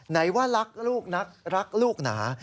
ไหนว่ารักลูกนักรักลูกหนา